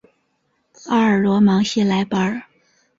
阿尔罗芒谢莱班。